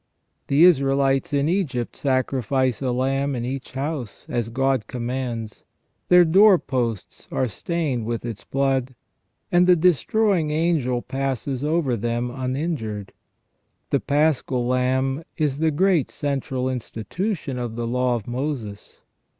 The Israelites in Egypt sacrifice a lamb in each house, as God commands ; their doorposts are stained with its blood, and the destroying angel passes over them uninjured. The Paschal Lamb is the great central institution of the Law of Moses.